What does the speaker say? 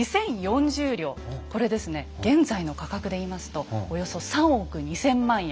これですね現在の価格で言いますとおよそ３億２，０００万円。